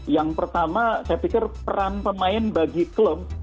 yang pertama saya pikir peran pemain bagi klub